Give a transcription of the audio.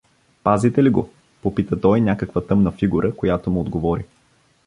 — Пазите ли го? — попита той някаква тъмна фигура, която му отговори.